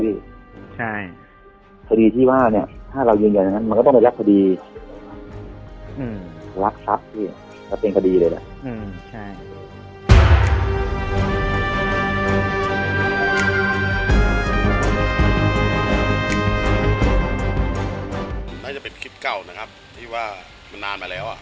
น่าจะเป็นคลิปเก่านะครับที่ว่ามันนานมาแล้ว